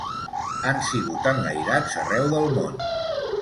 Han sigut enlairats arreu del món